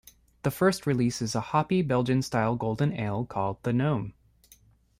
The first release is a hoppy Belgian-style golden ale called The Gnome.